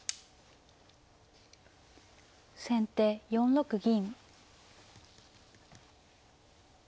先手４六銀。